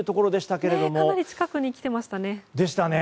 かなり近くに来ていましたね。